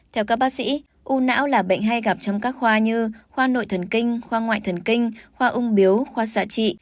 theo các bác sĩ u não là bệnh hay gặp trong các khoa như khoa nội thần kinh khoa ngoại thần kinh khoa ung biếu khoa xạ trị